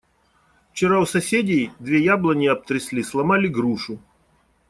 Вчера у соседей две яблони обтрясли, сломали грушу.